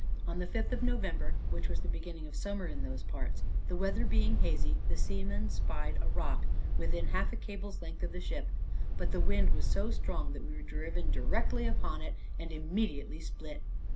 On the fifth of November, which was the beginning of summer in those parts, the weather being very hazy, the seamen spied a rock, within half a cable's length of the ship; but the wind was so strong that we were driven directly upon it, and immediately split.